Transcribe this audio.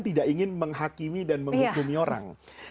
tidak ingin menghakimi dan menghukumi orang